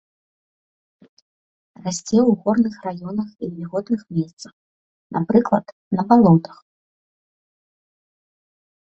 Расце ў горных раёнах ў вільготных месцах, напрыклад, на балотах.